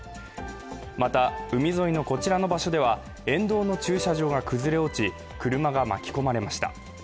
また、海沿いのこちらの場所で沿道の駐車場が崩れ落ち、車が巻き込まれました。